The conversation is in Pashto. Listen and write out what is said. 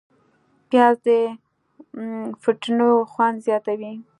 پیاز د فټنو خوند زیاتوي